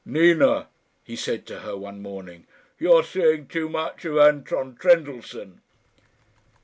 "Nina," he said to her one morning, "you are seeing too much of Anton Trendellsohn."